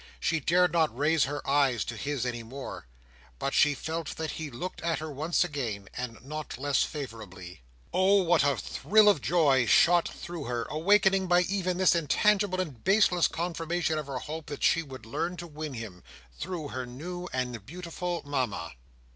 She dared not raise her eyes to his any more; but she felt that he looked at her once again, and not less favourably. Oh what a thrill of joy shot through her, awakened by even this intangible and baseless confirmation of her hope that she would learn to win him, through her new and beautiful Mama!